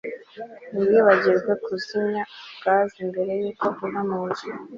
Ntiwibagirwe kuzimya gaze mbere yuko uva munzu